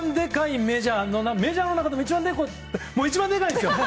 メジャーの中でも一番でかいんですよ。